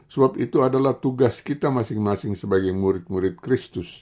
sebab itu adalah tugas kita masing masing sebagai murid murid kristus